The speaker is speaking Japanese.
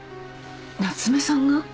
夏目さんが？